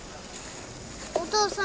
お父さん